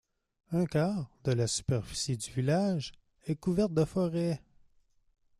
Un quart de la superficie du village est couvert de forêts.